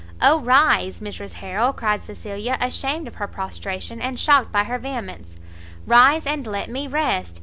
"Oh rise, Mrs Harrel," cried Cecilia, ashamed of her prostration, and shocked by her vehemence, "rise and let me rest!